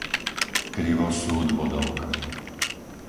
Krivosúd-Bodovka